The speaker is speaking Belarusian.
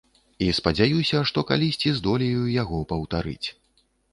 І спадзяюся, што калісьці здолею яго паўтарыць.